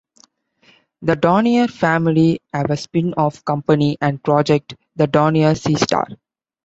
The Dornier family have a spin-off company and project, the Dornier Seastar.